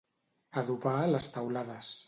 Adobar les teulades.